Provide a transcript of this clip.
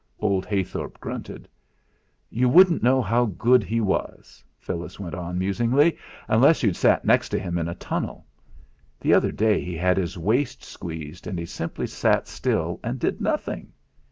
Old Heythorp grunted. "You wouldn't know how good he was," Phyllis went on musingly, "unless you'd sat next him in a tunnel. The other day he had his waist squeezed and he simply sat still and did nothing.